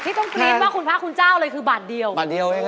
ถูกกว่าคราวเดียวเอง